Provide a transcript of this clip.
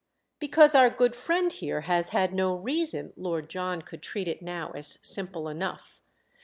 "Because our good friend here has had no reason"—Lord John could treat it now as simple enough.